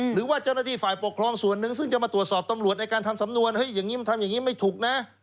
หรือว่าเจ้าหน้าที่ฝ่ายปกครองส่วนหนึ่งซึ่งจะมาตรวจสอบตำรวจในการทำสำนวนเฮ้ยอย่างนี้มันทำอย่างนี้ไม่ถูกนะ